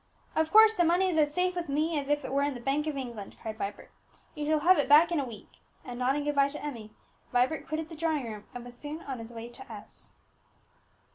"Of course the money is as safe with me as if it were in the Bank of England!" cried Vibert; "you shall have it back in a week;" and nodding good bye to Emmie, Vibert quitted the drawing room, and was soon on his way to S